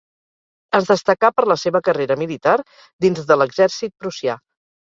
Es destacà per la seva carrera militar dins de l'exèrcit prussià.